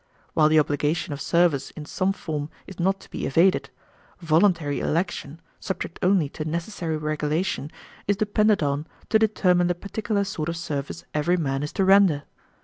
While the obligation of service in some form is not to be evaded, voluntary election, subject only to necessary regulation, is depended on to determine the particular sort of service every man is to render.